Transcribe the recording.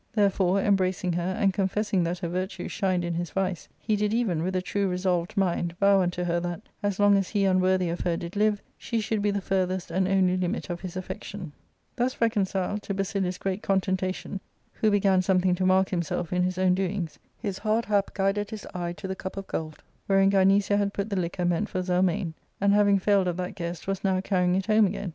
Therefore, embrac * itig her, and confessing that her virtue shined in his vice, he did even, with a true resolved mind, vow unto her that, as long as he unworthy of her did live, she should be the furthest and only limit of his affection* Thus reconciled, to Basi * lius' great contentation, who began something to mark him^ self in his own doings, his hard hap guided his eye to the cup of gold wherein Gynecia had put the liquor meant for Zelmane, and having failed of that guest was now carrying it home again.